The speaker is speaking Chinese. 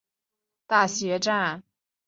町内有东急田园都市线驹泽大学站。